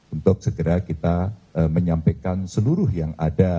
untuk segera kita menyampaikan seluruh yang ada